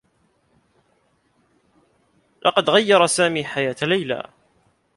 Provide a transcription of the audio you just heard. لقد غيّر سامي حياة ليلى.